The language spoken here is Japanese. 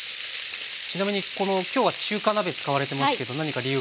ちなみに今日は中華鍋使われてますけど何か理由があるんですか？